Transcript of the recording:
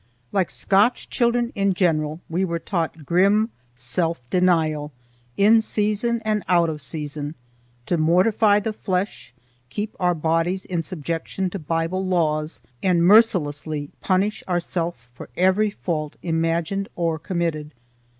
Like Scotch children in general we were taught grim self denial, in season and out of season, to mortify the flesh, keep our bodies in subjection to Bible laws, and mercilessly punish ourselves for every fault imagined or committed.